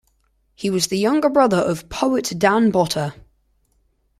He was the younger brother of poet Dan Botta.